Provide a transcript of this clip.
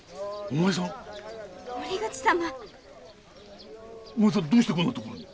お前さんどうしてこんな所に？